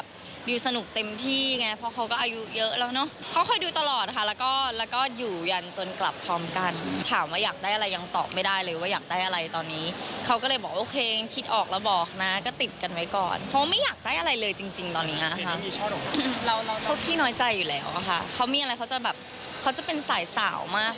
พวกที่น้อยใจอยู่แล้วค่ะเขามีอะไรเขาจะเป็นสายสาวมาก